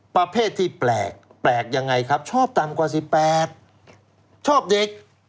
ประเภทที่แปลกแปลกยังไงครับชอบต่ำกว่า๑๘ชอบเด็ก